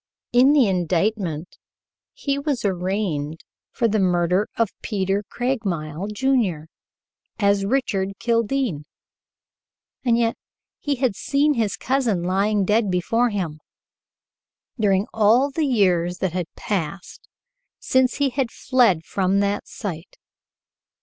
In the indictment he was arraigned for the murder of Peter Craigmile, Jr., as Richard Kildene, and yet he had seen his cousin lying dead before him, during all the years that had passed since he had fled from that sight.